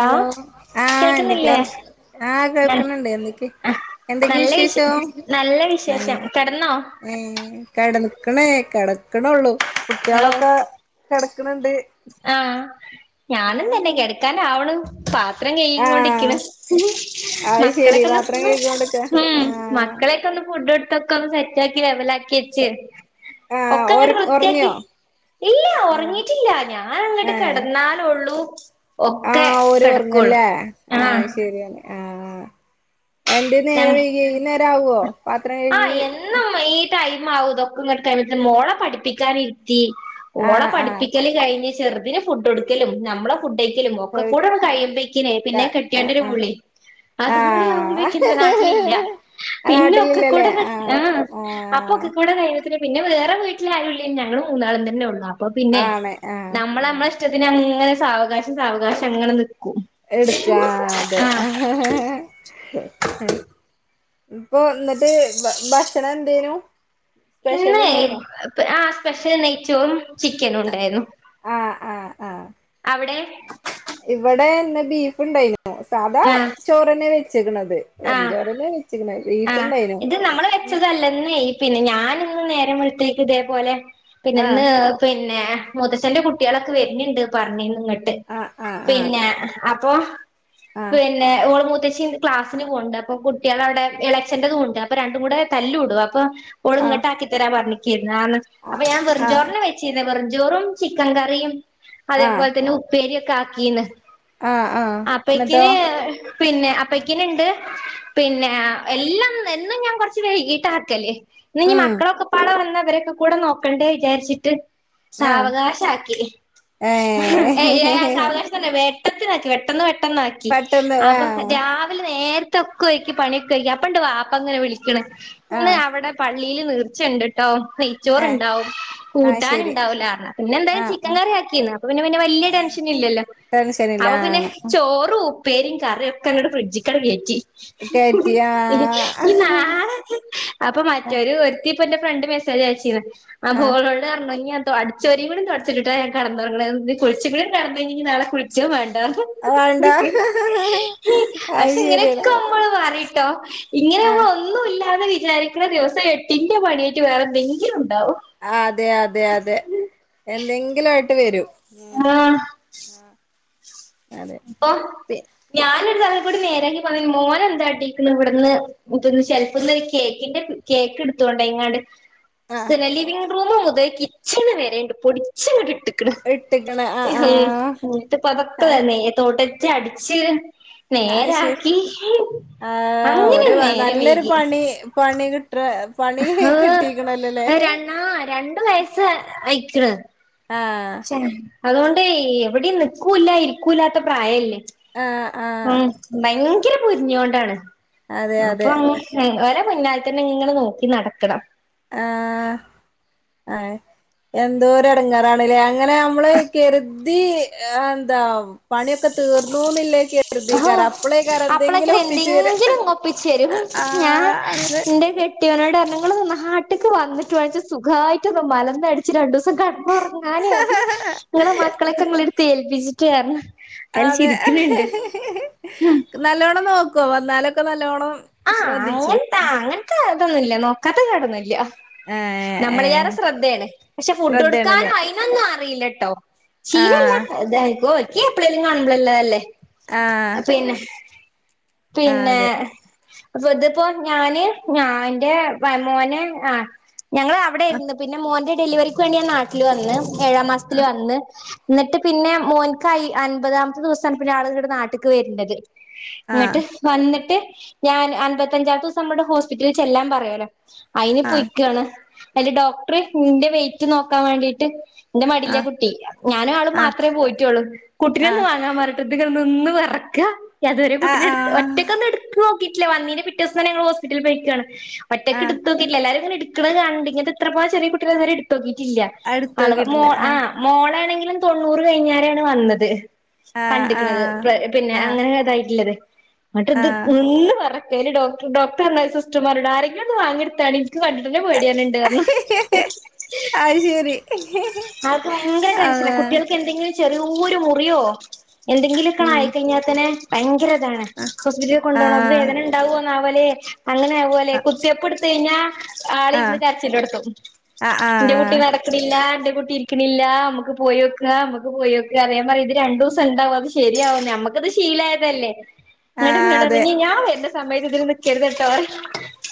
Hello ആ എന്തക്കെയ കേൾക്കുന്നില്ലേ ആ കേൾക്കണണ്ട് എന്തക്ക് ആഹ് എന്തൊക്കെയ നല്ല വിശ വിശേഷം നല്ല ആ വിശേഷം കെടന്നോ ഏ കട നിക്കണേ കട ക്കണള്ളു കുട്ടികളൊക്കെ കെടക്കണിണ്ട് ഞാനന്തന്നെ കെടക്കാനാവണ് പാത്രം കഴുകി കൊണ്ട് നിക്കണ് അത് ശെരി മക്കളൊക്കെ പാത്രം കഴുകിയോണ്ട്ക്ക [unintelligible] ആ ആഹ് മക്ക ളൊക്കൊന്ന് ഫുഡ് കൊടുത്തൊക്കെ ഒന്ന് സെറ്റാക്കി ലെവലാക്കി വെച്ച് ആഹ് ഒക്കെ അങ്ങട് ഒര് വൃ ത്തിയാക്കി ഒറങ്ങിയോ ഇല്ല ആഹ് ഒറങ്ങിട്ടില്ല ഞാൻ അങ്ങട്ട് കെടന്നാലൊള്ളൂ ആ ഒക്കെ ഓര് കെടക്കൊള്ളൂ ഒർങ്ങല്ലേ ആ ആഹ് ശരിയന്നെ എന്റെ നേരെ ഞ വൈകി ഈ നേരാകുവോ പാത്രം കഴുകി ആഹ് എന്നും ഈ ടൈം ആവും ഇതൊക്കെ ഇങ്ങ [unintelligible] മോള പഠിപ്പിക്കാനിരുത്തി ഓളെ ആഹ് ആഹ് പഠിപ്പിക്കല് കഴിഞ്ഞ് ചെറുതിന് ഫുഡ് കൊടുക്കലും നമ്മള ഫുഡക്കലും ഒക്കെ കൂടെ കഴിയുമ്പോഴക്കേ പിന്നെ ആഹ് കെട്ടിയേന്റെ ഒരു ആഹ് വിളി അതും കൂടി ആഹ് ആ പിന്നോക്ക നാട്ടിലില്ലല്ലേ കൂടെ ആഹ് ആഹ് അപ്പോഴൊക്കെ കൂടെ പിന്നെ വേറെ വീട്ടില ആരു ഈ ഞങ്ങള് മൂന്നാളും തന്നെ ഉള്ള അപ്പൊ പിന്നെ ആണ് ആഹ് നമ്മള നമ്മളെ ആഹ് ഇഷ്ടത്തിന് അങ്ങനെ സാവകാശം സാവകാശം അങ്ങനെ നിക്കും എടുക്കാ അതെ ആഹ് ആ ഇപ്പൊ എന്നിട്ട് ഭക്ഷണം എന്തേനു സ്പെഷ്യൽ പിന്നെ ഉണ്ടായിനോ ആ സ്പെഷ്യൽ നെയ്ച്ചോറും ചിക്കനും ചിക്കൻ ഉണ്ടായിരുന്നു അവിടെ ഇവിടെന്നെ ബീഫ് ഉണ്ടായിരുന്നു സാധാ ചോറ്ന്നെ വെച്ചക്കണത് ആഹ ആ ഇത് നമ്മൾ വെച്ചതല്ലെന്ന ഇന്ന് ഞാനിന്ന് നേര വഴത്തേക്ക് ഇതേപോലെ ആഹ് പിന്നെന്ന് പിന്നെ മൂത്തച്ചന്റെ കുട്ടീളൊക്കെ വരുന്ണ്ട് പറഞ്ഞീന്ന് ഇങ്ങട്ട് ആഹ് ആഹ് പിന്നെ അ.... ആഹ് അപേപിന്നെ ഓള് മൂത്തച്ചിക്ലാസ്.... പോവ്ണ്ട് അപ്പൊ കുട്ടികൾ അവിടെ ഇ എളച്ചൻ ന്റ തുണ്ട്അപ്പൊ രണ്ടും കൂടെ തല്ലുകടും അപ്പൊ.... ഓള് ആഹ് ഇങ്ങട്ടാക്കിത്തരാംപറഞ്ഞ ക്കയിനി ആഹ് അപ്പൊ ഞാൻ വെറു ആഹ് ചോറന്നെ വെച്ചിരന്നെവെ.... ചോറും ചിക്കൻ കറിയും ആഹ് അതേപോലെ തന്നെ ഉപ്പേരി ഒക്കെ ആക്കീന്ന് ആഹ് ആഹ് എന്നിട്ടോ അപ്പക്കിന് പിന്നെ അപ്പക്ക... ണ്ട് പിന്നെ എല്ലാം എന്നും ഞാൻ കൊറച്ച് വൈകീട്ട് ആക്കൽ. ഇന്ന്ഞ്ഞ് ഉം ഇന്ന്മക്കളൊക്കെ പാടെ വന്ന ഇവരൊക്കെ കൂടെ നോക്കണ്ടേ വിചാരിച്ചിട്ട്... ആഹ് സാവകാശ ആക്കി ഏ ഏ ഏഹ് സാവകാശം അല്ല വേ.. അപ്പൊപെട്ടെന്ന് പെട്ടെന്ന് ആക്കി പെട്ടെന്ന് അപ്പൊ ആഹ് രാവി. നേരത്തെ ഒക്കെ ഒരുക്കി പണിയൊക്കെ ഒര്ക്കി അപ്പ ഉണ്ട് വാപ്പ അങ്ങനെ വിളിക്കണെ ആഹ് ഇന്ന്അവിടെ പള്ളിൽ നീർച്ചണ്ട്ട്ടോ ഏഹ് നെയ്ച്ചോറണ്ടാവും ആഹ് കൂട്ടാനൻ ശരി ഉണ്ടാവൂലാർഞ്ഞുപിന്നെന്തായാലും ആഹ് ചിക്കൻ ആഹ് കറി ആക്കിന്ന് അപ്പൊ പിന്നെ വലിയ ടെൻഷ. ല്ലല്ലോ ടെൻഷനില്ല അപ്പൊ പിന്നെ ആഹ് ചോറും ഉപ്പേരിയും കറിയ ഒക്കെ അങ്ങോടെ ഫ്രിഡ്ജിക്കട കയറ്റി കയറ്റി മ് ഹാ ഹാ ആഹ് നിപ്പെ നാളെ മറ്റോല് എര്തിരി... പ്പെന്റെ ഫ്രണ്ട് മെസ്സേജ് അയച്ചിനിം അപ്പേ ആഹ് ഓളോട്ർ ഞ്ഞു ഇഞ്ഞ് പോ... അടിച്ചേരി തെടച്ചിട്ട്ടാ കടന്നിറങ്ങണ കുളിച്ച കൂട കടന്ന് കഴിഞ്ഞാ നാളെ കുളിച്ചേ വാണ്ട. അത് വേണ്ട ഹ ആ ഹ് ഹ. അത് ശരിയാണ് ഇങ്ങനൊക്കെ നമ്മള് പറീ ട്ടോ ഇങ്ങനെആകു ആഹ് ഒന്നൂ.... ഒന്നുംല്ലാ വിജാരിക്കുന്ന ദിവസം എട്ടിന്റെ പണിയായിട്ട് വേറെ എന്തെങ്കിലും ഉണ്ടാകും. അതെ അതെ അതെ എന്തെങ്കിലും ആയിട്ട് വരൂ ഉം ആ അപ്പൊ ഞാനാ. ൾ കൂടി നേരാക്കി പോന്നിന്‌മോന് എന്താ ട്ടീ ക്ണ് ഇവിടുന്ന്ന്ഷെൽഫിന്ന് ഒര്‌കേക്കിന്റെ കേ... ഇട്ത്ത് ഒണ്ടയ്ങ്ങാട്... ആഹ് സലിവിംഗ്‌ റൂമുമുതൽ കിച്ചണ് വരെപൊടിച്ങ്ങട് ഇട്ട്‌. ഇട്ട്ക്ക്ണ് ആഹ് മ്ഹ മ്ന്നിട്ട് പ്പെ ആഹ് തൊക്കെതൊടച്ച് അടിച്ചോരി.. ആഹ് ശരി നേരാക്കി ആ അങ്ങനെ ഒരു നേരം നല്ലൊരു പണി പണി കിട്ട പണി ഹേ കിട്ടിക്കണല്ലോല്ലേ ഹാരണ്ട്‌വയസ്സ്അയിക്കണ് ആ അതുകൊണ്ട് എവിടെ നിൽക്കൂല്ല ഇരിക്കൂല്ലാത്ത പ്രായല്ലേ. ആ ആ ഭയങ്കരപൊരിഞ്ഞോണ്ടാണ് അതെ അപ്പൊ ഓരെ പിന്നാ ലെതന്നെങ്ങെ നോക്കിയോണ്ണ്ട് നടക്കണം. ആ ആ എന്തോര്ഇടങ്ങാറാണ് ലേ അങ്ങനെ നമ്മള് കെരുതി എന്താ പണിയൊക്കെ തീർന്നു നില്ലേ ഓ കരുതെയ്ക്കാരംഅപ്പളൈക്കാര്എന്തെങ്കിലും അപ്പളേക്കന് ഒപ്പിച്ചു വരാ. എന്തെങ്കിലും ഒപ്പിച്ചു ആ ഹാ അവര്. ങ്ങളോട് ർഞ്ഞുങ്ങള് നാട്ട്ക്ക് വന്നിട്ട് വേണംസുഖയിട്ട് ഒന്ന് മലന്നടിച്ച് രണ്ടൂസം. [unintelligible] നിങ്ങളെ മക്കളൊക്കെ നിങ്ങളെടുത്ത് ഏൽപ്പിച്ചിട്ട് വർണം അതെ നല്ലോണം നോക്കോ വന്നാലൊക്കെ നല്ലോണം ശ്രറദിച്ച് ല്ല നോക്കാത്ത കേടന്നുല്ല. ഏഹ് നമ്മളിലാറെ ഏഹ് ശ്രദ്ധേണ് പക്ഷെ ഫുഡ് ശ്രദ്ധയാണല്ലേ ടുക്കാനും അയിനൊന്നും അറിയില്ലട്ടോ. ശീലല്ല. ആഹ് അതെഅതോര്ക്ക് എപ്പളെങ്കിലും കാണുമ്പളല്ലേതല്ലേ ആഹ് പിന്നെ ആഹ് പിന്നെ അതെ ഇതിപ്പോ ഞാന് ഞാന്റെ മോനെ ആ ഞങ്ങള് അവിടെയിരുന്നു. പിന്നെ മോന്റെ ഡെലിവറിക്ക് വേണ്ടി ഞാൻ നാട്ടില് വന്ന് ഏഴാം മാസത്തില് ആഹ് വന്ന് എന്നിട്ട് പിന്നെ മോൻകായി അൻപതാമത്തെ ദിവസാണ് പിന്നെ ആള് ഇങ്ങട്ട് നാട്ട്ക്ക് വര്ണത്. ങ്ങട്ട് ആഹ് വന്നിട്ട് ഞാൻ അൻമ്പത്തഞ്ചാമത്തെ ദിവസം നമ്മുടെ ഹോസ്പിറ്റലിൽ ചെല്ലാൻ പറ യാലോ. അയിന് ആഹ് പൊയ്ക്കാണ്. അല്ല ഡോക്ടർ ഇന്റെ വെയിറ്റ് നോക്കാൻ വേണ്ടീട്ട് എന്റെ മടിയില ആഹ് കുട്ടി, ഞാനും ആളും ആഹ് മാത്രമേ പോയിട്ടുള്ളൂ കുട്ടിന ഒ ആഹ് ന്ന് വാങ്ങാൻ മാറി നിന്ന് വേറെക്ക. ത് ഞാൻതുവരെ കുട്ടിനെ ആഹ് എടു ആഹ് ഒറ്റൊക്കൊന്ന്‌ എടുത്ത് ല്ല വന്നീന് പിറ്റ ദസങ്ങള് ഹോസ്പിറ്റിൽക്കുവാണ് മറ്റൊക്കെ ആഹ് എടുക്ക എല്ലാരും നിക്കന് കാണണ്ട്. ഇത്ര പോരെ ചെറിയ കുട്ടികളേതുവരെ ഇടുത്തൊക്കിട്ടില്ല. അടുത്ത് നോക്കിട്ടില്ല ആ ആഹ് മോളാണെങ്കി തൊണ്ണൂറ് കഴിഞ്ഞോരാണ് വന്നത്. കണ്ട്ക്കണത്. ആഹ് പിന്നെ ആഹ് അങ്ങനെ അതായിട്ടുള്ളത് മറ്റ ഇത് ആഹ് നിന്ന് വേരെക്കല് ഡോക്ടർ ഡോക്ടർ പറഞ്ഞ സിസ്റ്റർമാരോട് ആരെങ്കിലൊന്ന് വാങ്ങിയടുത്താളി കണ്ടന പടിയ നിണ്ട കണ ആഹ് അത് ശരി അത് ഭയങ്കര ടെൻഷന ആഹ് കുട്ടികൾക്ക് എന്തെങ്കിലും ചെറീയൊരു മുറിയോ, എന്തെങ്കിലുമൊക്കെ ഉം ആയിക്കഴിഞ്ഞാൽ തന്നെ ഭയങ്കര ഹ ആഹ് കുഞ്ഞിനെ കൊണ്ടോണം അത് ആഹ് വേദന ഉണ്ടാവോന്നാവല്ലെ അങ്ങനൊവുല്ലേ കുത്തിവെപ്പെടു കയിഞ്ഞ ആള ഇരുന്ന് ആഹ് കരച്ചിൽടത്തും. ആഹ് ഇന്റെ കുട്ടി ആഹ് നടക്കനില്ല. ഇന്റെ കുട്ടി ഇരിക്കണില്ല. നമ്മുക്ക് പോയോക്കാ നമുക്ക്‌ പോയൊക്കാ. ഞാൻ പറയും ഇത് രണ്ടീസണ്ടാവും. അത് ശരിയാവും ഞമ്മക്ക് അത് ശീലായതല്ലേ. ഇങ്ങട്ടട അതെ ഞാൻ വരുന്ന സമയത്ത് ഇതിന് നിക്കരുത്ട്ടോന്ന്.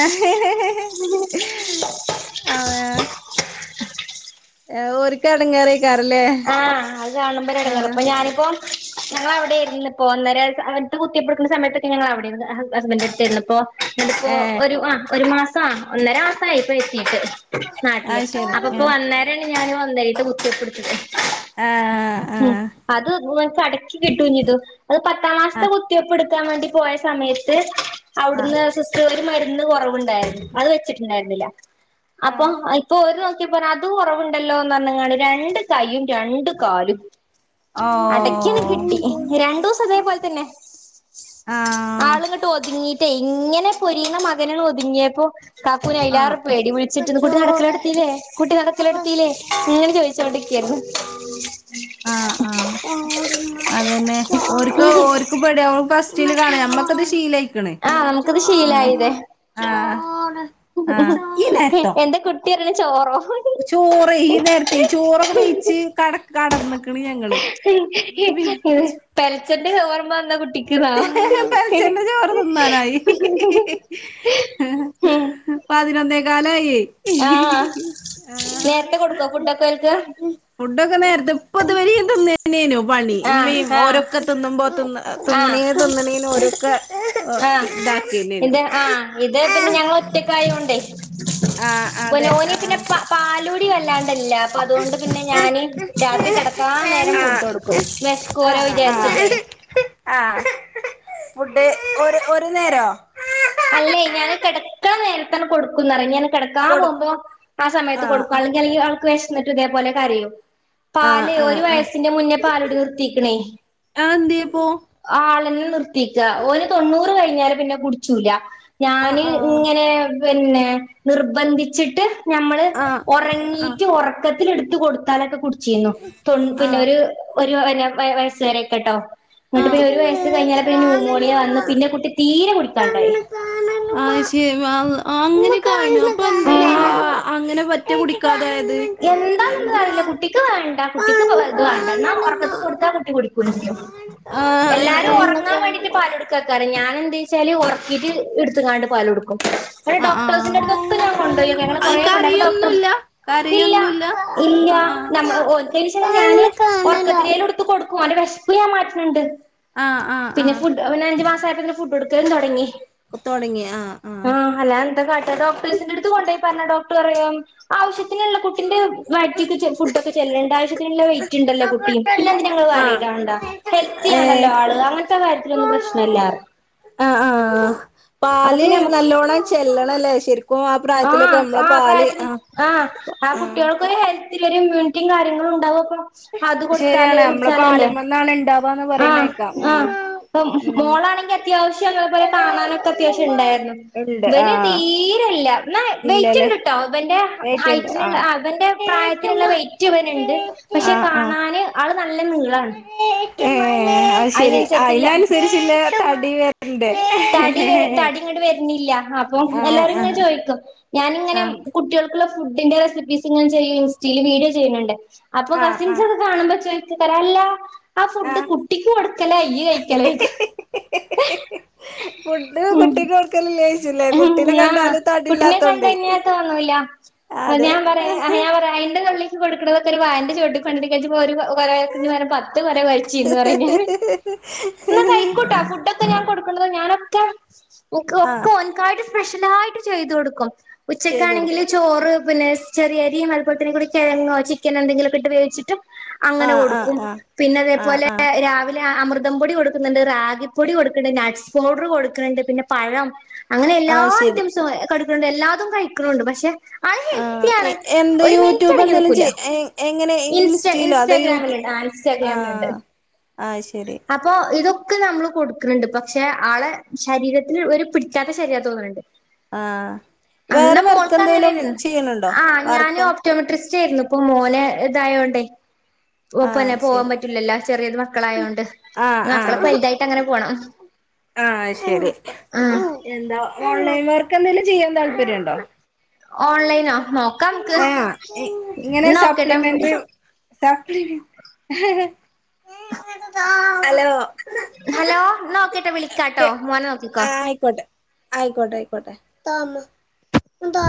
ആഹ് ഹ് ഹ് ഹ് ആ ഓർക്കെടങ്ങേര ആഹ് അത് കാണുമ്പോൾ ഒരു ഇടങ്ങറ്. ആഹ് അപ്പൊ ഞാനിപ്പോ ഞങ്ങൾ അവിടായിരുന്നിപ്പോ. ഒന്നര അടുത്ത കുത്തിവെയ്പ്പ് എടുക്കണ സമയത്തൊക്കെ അവിടാർന്ന് ഹുസ്ബൻഡ്ന്റെ അടുത്തായിരുന്നപ്പോ ഇന്നിപ്പോ ഏഹ് ഒരു മാസം ഒന്നര മാസമായിപ്പോൾ എത്തിയിട്ട് നാട്ടില് അത് ശരി ആഹ് വന്നപ്പോഴാണ് ഞാൻ കുത്തിവെപ്പ് എടുത്തത് ആ ഉ അത് ചടക്കി കിട്ടുഞ്ഞ ഇതു അത് പത്താം മാസത്തെ ആഹ് കുത്തിയപ്പടു എടുക്കാൻ വേണ്ടി പോയ പോയ സമയത്ത് ആഹ് അവിടുന്ന് സിസ്റ്റർ ഒരു മരുന്ന് കുറവുണ്ടായിരുന്നു അത് ഉണ്ടായിരുന്നില്ല. ഇപ്പൊ ആഹ് അവർ നോക്കിയപ്പോൾ പറയുകയാണ്. അത്‌ കുറവുണ്ടല്ലോ എന്ന് പറഞ്ഞ രണ്ട് കയ്യും, രണ്ട് കാലും ഓ അടക്കൊന്നു കിട്ടി. രണ്ടു ദിവസം അതു പോലെ തന്നെ ആഹ് ആള് ഇങ്ങനെ ഒതുങ്ങിയിട്ട് ഇങ്ങനെ പൊരിയുന്ന മകൻ ഒതുങ്ങിയപ്പോൾ കാക്കുനെ അ ആഹ് എല്ലാാരും പേടി കാകുന് അതിലേറെ പേടി. വിളിച്ചിട്ട് കുട്ടി നടന്നു ചോറ് തുടങ്ങിയോ? നടന്നു തുടങ്ങിയോ? എന്ന് ഇങ്ങനെ ചോദിച്ചു കൊണ്ടിരിക്കും. ഉം ആ ആ അതന്നെ. ഓരുക്ക് ഓരുക്ക്‌ പേടിയാവും സ്ഥിരാണ്. നമുക്കിത് ശീലായ്ക്കാണ് ആഹ് നമുക്കത് ഏ ആഹ് ഉം ഉം ആഹ് ഈ നേരത്തോ എന്താ കുട്ടിരഞ്ഞ ചോറോ ചോറ് ഈ നേരത്തെ ചോറൊക്കെ വെയിച്ച് കട കടന്നക്കണ് ഞങ്ങള്. ഹി ഹി എന്നിട്ട് പി പെലച്ചന്റെ ഓർമ്മ വന്ന കുട്ടി പെലച്ചന്റെ ചോറ് തിന്നാനായി ഉം പതിനന്നേകാലായി ആഹ് നേരത്തെ കൊടുക്കോ ഫുഡൊക്കെ ഓൽക്ക് ഫുഡൊക്കെ നേരത്തെ ഇപ്പൊ ഇതുവരേ തിന്നേനു പണി. ഇമ്മ ആഹ് ആഹ് ഓരോക്കെ തിന്നുമ്പോ തിന്ന് ആഹ് തിന്നാണെന് തിന്നാണെന് ഇവരൊക്കെ ആഹ് ഇത് ആഹ് ഇത് പിന്നെ ഞങ്ങൾ ഒറ്റക്കായൊണ്ടേ ആഹ് ഇപ്പൊ അതെ ഓന് പിന്നെ ആഹ് പ പാലൂടി വല്ലാണ്ടല്ല അപ്പൊ അതുകൊണ്ട് പിന്നെ ഞാന് രാത്രി കിടക്കാ നേരം ഫുഡ് ആഹ് കൊടുക്കും വെസ്ക്കൂല്ലോ വിചാരിച്ചിട്ടേ ആ ഫുഡ് ഒരു ഒരു നേരോ അല്ലേ ഞാൻ കെടക്കണ നേരത്താണ് കൊടുക്കുന്നറ ഞ കെടക്കാൻ കൊടുക്കും പോമ്പോ ആ സമയത്ത് ആഹ് കൊടുക്കും. ആഹ് അല്ലെങ്കി അല്ലെങ്കി അവൾക്ക് വിശന്നിട്ട് ഇതേപോലെ കരയും ആഹ് പാല് ഒരു ആഹ് ആഹ് വയസിന്റെ മുന്നേ പാലൂടി നിർത്തിക്കണേ അതെന്ത്യേ പ്പോ ആളന്ന ത്തിക്ക ഓന് തൊണ്ണൂറ് കഴിഞ്ഞാല് പിന്നെ കുടിച്ചൂല ആഹ് ഞാന് ആഹ് ഇങ്ങനെ പിന്നെ നിർബന്ധിച്ചിട്ട് നമ്മൾ ആഹ് ആഹ് ഉറങ്ങീട്ട് ഉറക്കത്തിലെട് ഇത് കൊടുത്താലക്കെ കുടിച്ചിന്നു തൊ പിന്നെ ആഹ് ഒരു ഒരു [unintelligible] വയസ് വരെൊക്കെട്ടോ എന്നിട്ട്പിന്നെ ആഹ് ഒരു വയസ്സ് കഴിഞ്ഞാല പിന്ന ന്യൂമോണിയ വന്ന് പിന്നെ കുട്ടി തീരെ കുടി [unintelligible] [unintelligible] അപ്പ ആഹ് ന്ത്‌ [unintelligible] എന്താന്നൊന്നറിയില്ല കുട്ടിക്ക് വേണ്ട കുട്ടിക്ക് ആഹ് പ്പ് ഇത് വേണ്ട എന്ന ഒറക്കത്തി കൊടുത്താ കുട്ടി കുടി കുടിക്കും ആഹ് എല്ലാരും ഒറങ്ങാൻ വേണ്ടിട്ട് പാലൊടു ക്കാർ ഞാൻ എന്താച്ചാല് ഉറക്കീട്ട് എടുത്തിക്കണ്ട് പലൊടുക്കും ഇടെ ആഹ് ഡോക്ടേഴ്സിന്റെ അടിതൊക്കെ ഞാൻ കൊണ്ടോയി ങ്ങനെ അത് കൊറെ [unintelligible] ഡോക്ട്ടർ കരയൊന്നുല്ല ഇല്ല കരയൊന്നുല്ല ഇല്ല ആഹ് ആഹ് നമ്മള് ഒ [unintelligible] ഞാന് ഒറക്കത്തിലെലു എടുത്കൊ ഓന്റെ വെശ്പ്പ് ഞാൻ മാറ്റ്ണ്ണ്ട് ആഹ് ആഹ് പിന്നെ ആഹ് ഫുഡ് [unintelligible] സയപ്പതേനും ഫുഡ്ടുക്കല് തൊടങ്ങി തൊടങ്ങി ആഹ് ആഹ് അല്ല എന്താ കാട്ടാ ഡോക്ടേഴ്സിന്റെ അടുത്ത് കൊണ്ടോയി പർഞ്ഞ ഡോക്ടർറിയ ആവശ്യത്തിനുള്ള കുട്ടിന്റെ വറ്റ്ക്ക് ചെ ഫുഡ്ക്കെചെല്ലണ്ടവിഷത്തിനുള്ള വെറ്റ്ണ്ടല്ലോ കുട്ടി പിന്നെ എന്തിനാ ങ്ങള് വറീഡ് ആഹ് ആവണ്ട ഹെൽത്തി ഏഹ് ആണല്ലോ ആള് അങ്ങ ത്ത കാര്യത്തിലൊന്നും പ്രശ്നല്ല ആഹ് ആഹ് അപ്പൊ പാല് പിന്നെ നമുക്ക് നല്ലോണം ചെല്ലണല്ലേ ശരിക് ആഹ് ആഹ് പ്രായത്തിന് ആഹ് ആ ആഹ് കുട്ടികൾക്കൊര് ഹെ ത്ത് ലേണിം ഇമ്യൂണിറ്റിം കാര്യങ്ങളും ഇണ്ടാവും അത് കൊടുത്താലേ ശരിയാണ് നമ്മളെ കുട്ച്ചാലല്ലേ പാലുമ്മന്നാണ് ഇണ്ടാവാന്ന് ആഹ് പറയണേക്കാം ആഹ് ഉം പ്പം ഉം മോളാണെങ്കിൽ അത്യാവശ്യം അതേ പോലെ കാണാനൊക്കെ അത്യാവശ്യം ഇണ്ടായിര്ന്നു ഉണ്ട് ഇവന് ആഹ് തീരെല്ല ന്നാ ഇല്ലല്ലേ വെയിറ്റ്ണ്ട്ട്ടോ ഇവന്റെ വെയിറ്റ്ണ്ട് ഹൈറ്റിന്ള്ള ആഹ് ഇവന്റെ പ്രായത്തിന്ള്ള വെയിറ്റ് ഇവന്ണ്ട് പക്ഷെ ആഹ് ആഹ് കാണാന് ആള് നല്ല നീളാണ് ഏ അത് ശെരി അയ്നന്സരിച്ച്ല്ല അയിനനുസരിച്ചില്ല തടി വരണ്ട് തടി തടി ഇങ്ങട്ട് വര്ന്നില്ല അപ്പൊ ആ എല്ലാരും ആ ഇങ്ങെനെ ചോയ്ക്കും ആ ഞാനിങ്ങനെ കുട്ട്യൾക്ക്ള്ള ഫുഡിന്റെ റെസിപ്പീസ്ങ്ങനെ ചെയ്യും ഇൻസ്റ്റയിൽ വീഡിയോ ചെയ്യ്ണ് ണ്ട് അപ്പൊ ആ ആ കസിൻസൊക്കെ കാണുമ്പോ ചോയ്ക്കുപ്പല്ലാ ആ ഫുഡ് കുട്ടിക്ക് കൊട്ക്കലാ ഇയ്യ് കഴിക്കലാ ചോയ്ക്കും ഫുഡ് കുട്ടിക്ക് കൊടുക്കല് ല്ലേ ഉം ആഹ് കുട്ടിനെ കണ്ട് കഴിഞ്ഞാ തോന്നൂല അ അതെ ഞാൻ പറയാ ഹാ ഞാൻ പറയാ അയിന്റെ തൊള്ളേക്ക് കൊട്ക്ക്ണതൊക്കെ ഒരു വാഴന്റെ ചോട്ട്ക്ക് കൊണ്ടെയ്ട്ക്ക ഇജ് പോര് പ [unintelligible] പകരം പത്ത് കൊല കൊൽച്ചീന്നു പറീനി ന്നാ കഴിക്കുട്ടോ ഫുഡൊക്കെ ഞാൻ കൊടു ക്ക്ണതും ഞാനൊക്കെ ആ ഇൻക്കും ക്കായിട്ട് സ്പെഷ്യലായിട്ട് ചെയ്ത് കൊടുക്കും ചെയ്ത് ഉച്ചക്കാണെങ്കില് കൊടുക്കും ചോറ് പിന്നെ ചെറിയരിം അതുപോലെതന്നെ കുടിം കിഴങ്ങോ ചിക്കനോ എന്തെങ്കിലൊക്കെ ഇട്ട് വേവിച്ചിട്ട് ആ അങ്ങനെ ആ കൊട്ക്കും ആ പിന്നെ ആ അതേപോലെ ആ രാവി ലാ അമൃതം പൊടി കൊടുക്കുന്നുണ്ട് റാഗിപ്പൊടി കൊടുക്ക്ണ്ട് നട്ട്സ് പൗഡർ കൊടുക്ക്ണ് ണ്ട് പിന്നെ പഴം അങ്ങനെ എല്ലാ ആ ശരി ഐറ്റംസും കൊട്ക്ക്ണ് ണ്ട് എല്ലാതും കഴിക്ക്ണുണ്ട് പക്ഷെ അത് ആ ഹെൽത്തിയാണ് എന്താ ഒരു മിനിറ്റ് അട യൂട്യൂബ് ങ്ങി എന്തെലും നക്കൂല ചെയ് എങ്ങനെ ഇൻറ്റ ഇൻസ്റ്റയിലോ അതോ ഇൻസ്റ്റാഗ്രാമിൽ ഇന്റഗ്രാം ഉണ്ട് ആഹ ശരി ക്കെ നമ്മള് കൊടുക്കുന്നുണ്ട് പക്ഷെ ആളെ ശരീരത്തിൽ ഒരു പിടിക്കാത്ത ശരീരം തോന്നുന്നുണ്ട് ആഹ് എല്ലാ വേറെ വർക്ക് മോൾക്ക് എന്തേലും അങ്ങനെരുന്നു ചെയ്യണുണ്ടോ ആ ഞാാന വർക്കം ഓപ്റ്റോമെട്രിസ് ചച്ചായിരുന്നു ഇപ്പൊ മോനെ ഇതായോണ്ടേ ആഹ് ഓപ്പെ പോവാൻ ശരി പറ്റൂില്ലല്ലോ ചെറിയത് മക്കളായയോണ്ട് മക്കളെെലുതായിട്ട് അങ്ങനെ പോണം ആഹ ശരി ആഹ് എന്താ ഓൺലൈൻ വർക്ക് എന്തെങ്കലും ചെയ്യാൻ താല്പര്യംണ്ടോ ഓൺലൈനോ നോക്കാം നമുക്ക് ആഹ ഇങ്ങനെ എന്നാ ഓക്കേട്ടോ സപ്ലിമെന്റ് സപ നീ എങ്ങോടുത്ത ഹലോ ഹലോ ന ആ ആയിക്കോട്ടെ ആയിക്കോട്ടെ താ താ